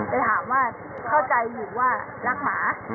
ไปถามว่าเข้าใจอยู่ว่ารักหมา